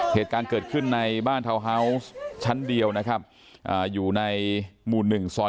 เพียบการเกิดขึ้นในบ้านเทาเฮาส์ชั้นเดียวนะครับอยู่ในหมู่หนึ่งซอย๖เทพตมนต์หนองชากอำเภอบ้านบึงจังหวัดชนบุรี